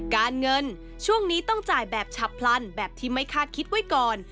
การเงินช่วงนี้ต้องจ่ายแบบฉับพลันแบบที่ไม่คาดคิดไว้ก่อน